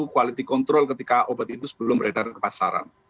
quality control ketika obat itu sebelum beredar ke pasaran